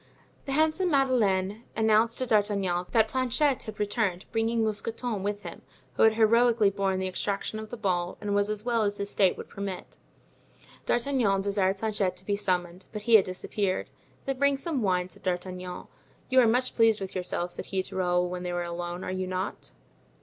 The handsome Madeleine announced to D'Artagnan that Planchet had returned, bringing Mousqueton with him, who had heroically borne the extraction of the ball and was as well as his state would permit. D'Artagnan desired Planchet to be summoned, but he had disappeared. "Then bring some wine," said D'Artagnan. "You are much pleased with yourself," said he to Raoul when they were alone, "are you not?"